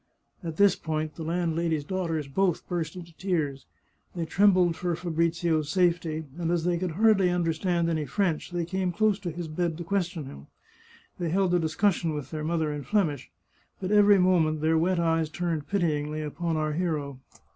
At this point the landlady's daughters both burst into tears. They trembled for Fabrizio's safety, and as they could hardly understand any French, they came close to his bed to question him. They held a discussion with their mother in Flemish, but every moment their wet eyes turned pityingly upon our hero.